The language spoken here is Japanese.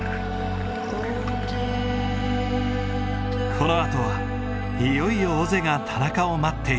このあとはいよいよ尾瀬が田中を待っている。